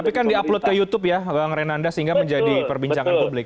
tapi kan di upload ke youtube ya bang renanda sehingga menjadi perbincangan publik